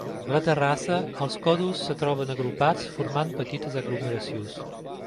A la terrassa, els còdols es troben agrupats formant petites aglomeracions.